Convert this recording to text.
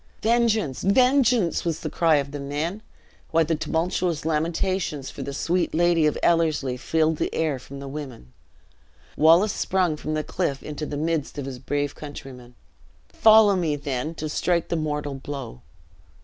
"Vengeance! vengeance!" was the cry of the men, while tumultuous lamentations for the "sweet Lady of Ellerslie," filled the air from the women. Wallace sprung from the cliff into the midst of his brave countrymen. "Follow me, then, to strike the mortal blow!"